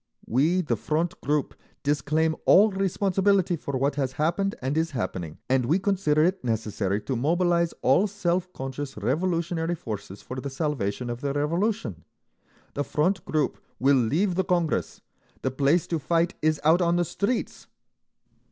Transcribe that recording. "We, the Front group, disclaim all responsibility for what has happened and is happening, and we consider it necessary to mobilise all self conscious revolutionary forces for the salvation of the Revolution! The Front group will leave the Congress…. The place to fight is out on the streets!"